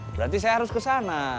berarti saya harus kesana